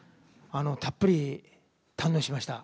たっぷり堪能しました。